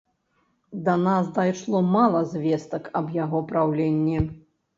Да нас дайшло мала звестак аб яго праўленні.